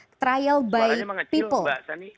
suaranya memang kecil mbak sani